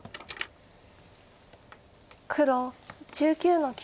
黒１９の九。